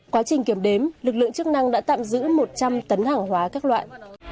quá trình kiểm đếm lực lượng chức năng đã tạm giữ một trăm linh tấn hàng hóa các loại